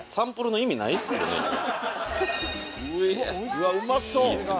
「うわっうまそう！」